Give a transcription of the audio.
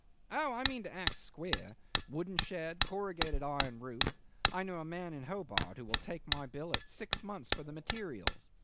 Oh! I mean to act square: wooden shed, corrugated iron roof I know a man in Hobart who will take my bill at six months for the materials.